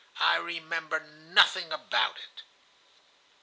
I remember nothing about it."